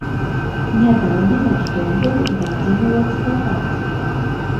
Нядаўна наш дом быў здадзены ў эксплуатацыю.